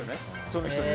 その人に。